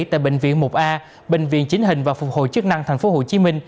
tại bệnh viện một a bệnh viện chính hình và phục hồi chức năng tp hcm